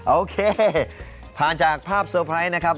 โอเคผ่านจากภาพเซอร์ไพรส์นะครับ